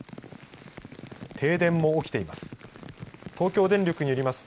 停電も起きています。